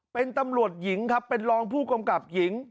เป็นตำรวจหญิงครับเป็นรองผู้กำกับหญิง